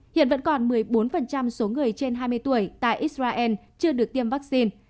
hiện vẫn còn một mươi bốn số người trên hai mươi tuổi tại israel chưa được tiêm vaccine